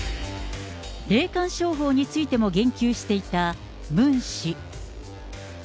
霊感商法についても言及していたムン氏。